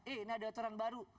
eh ini ada aturan baru